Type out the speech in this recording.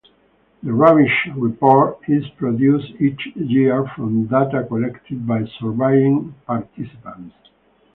"The Rubbish Report" is produced each year from data collected by surveying participants.